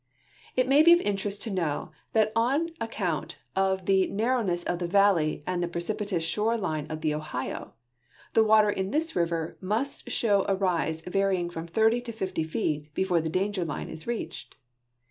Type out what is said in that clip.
It may be of interest to know that on account of the narrow ne.ss of the valley and the precipitous shore line of the Ohio the water in this river must show a rise varying from 30 to 50 feet before the danger line is reached.